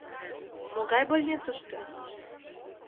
Могай больницыште?